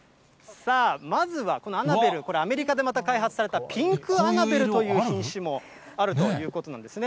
さあ、まずはこのアナベル、これ、アメリカで開発されたピンクアナベルという品種もあるということなんですね。